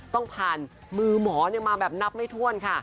ต้องผ่านมือหมอมาแบบนับไม่ถ้วนค่ะ